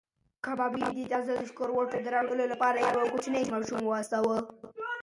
کبابي د تازه سکروټو د راوړلو لپاره یو کوچنی ماشوم واستاوه.